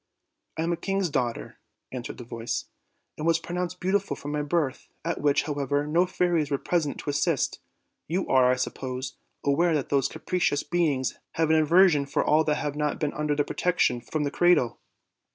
"I am a king's daughter," answered the voice, "and was pronounced beautiful from my birth, at which, however, no fairies were present to assist. You are, I suppose, aware that those capricious beings have an aversion for all who have not been under their protection from the cradle."